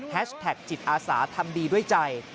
แท็กจิตอาสาทำดีด้วยใจ